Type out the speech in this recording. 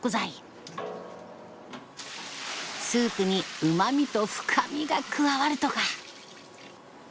スープにうまみと深みが加わるとか。